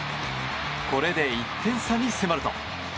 これで１点差に迫ると。